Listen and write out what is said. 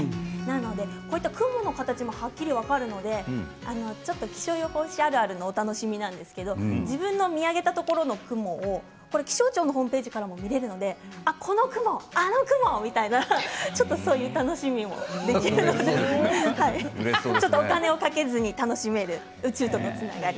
雲の形もはっきり分かるのでちょっと気象予報士あるあるのお楽しみなんですけど自分の見上げたところの雲をこれ気象庁のホームページからも見えるのでこの雲あの雲、ってそういう楽しみもできるのかなとちょっとお金をかけずに楽しめる宇宙とのつながり